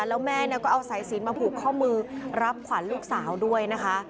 แล้วแม่ก็เอาสายสินมาผูกข้อมือรับขวัญลูกสาวด้วยนะคะ